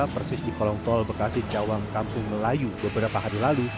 persis di kolong tol bekasi cawang kampung melayu beberapa hari lalu